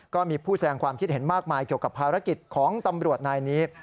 ก็มีผู้แสดงความคิดเห็นมากมายเกี่ยวกับภารกิจของตำรวจนายนี้